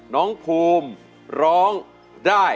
น้องภูมิร้องได้